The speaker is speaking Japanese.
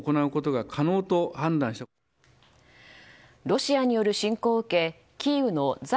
ロシアによる侵攻を受けキーウの在